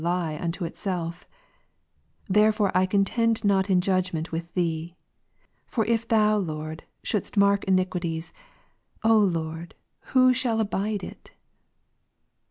l3of foi'e I contend not in judgment with Thee; for if Thou, 3 Lord, shouldest mark iniquities, Lord, who shall abide it